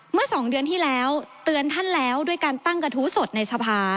เมื่อสองเดือนที่แล้วเตือนท่านแล้วด้วยการตั้งกระทู้สดในสภา